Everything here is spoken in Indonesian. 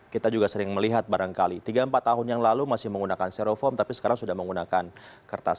kita juga sering melihat barangkali tiga empat tahun yang lalu masih menggunakan steroform tapi sekarang sudah menggunakan kertas